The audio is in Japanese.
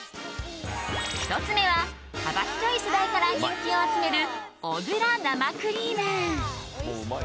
１つ目は幅広い世代から人気を集めるおぐら生クリーム。